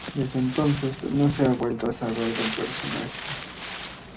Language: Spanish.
Desde entonces no se ha vuelto a saber del personaje.